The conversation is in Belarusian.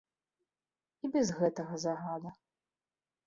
І без гэтага загада.